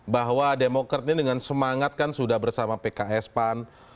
bahwa demokrat ini dengan semangat kan sudah bersama pks pan